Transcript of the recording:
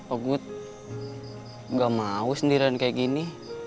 oguh enggak mau sendirian kayak gini